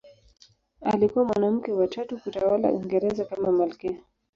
Alikuwa mwanamke wa tatu kutawala Uingereza kama malkia.